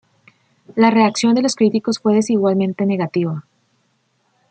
La reacción de los críticos fue desigualmente negativa.